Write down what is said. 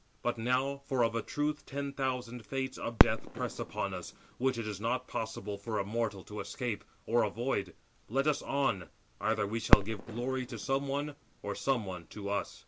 But now—for of a truth ten thousand Fates of death press upon us, which it is not possible for a mortal to escape or avoid—let us on: either we shall give glory to some one, or some one to us."